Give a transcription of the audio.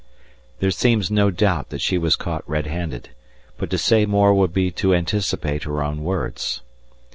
There seems no doubt that she was caught red handed, but to say more would be to anticipate her own words.